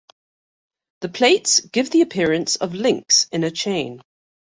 The plates give the appearance of links in a chain.